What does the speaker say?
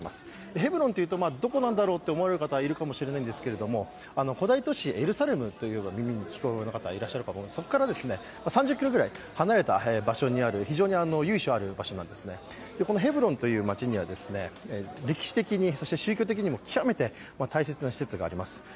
ヘブロンというとどこなんだろうと思われる方いるかもしれないんですが、古代都市エルサレムというと、耳に聞き覚えの方がいらっしゃるかと思いますが、３０ｋｍぐらい離れた場所にある非常に由緒ある場所なんですね、このヘブロンという街には、歴史的な、そして宗教的にも極めて大切な施設があります。